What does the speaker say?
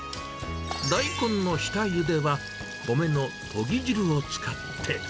大根の下ゆでは米のとぎ汁を使って。